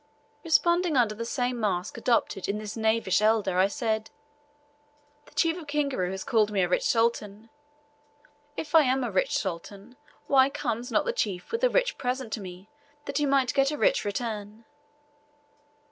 Responding under the same mask adopted by this knavish elder, I said, "The chief of Kingaru has called me a rich sultan. If I am a rich sultan why comes not the chief with a rich present to me, that he might get a rich return?"